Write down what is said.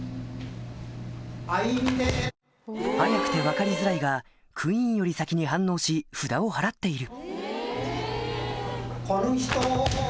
速くて分かりづらいがクイーンより先に反応し札を払っている来ぬ人を。